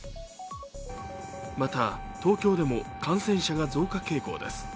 また、東京でも感染者が増加傾向です。